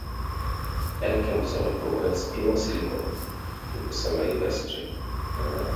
Elkem Solar provides pure silicon to the solar industry.